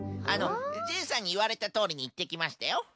あのジェイさんにいわれたとおりにいってきましたよ。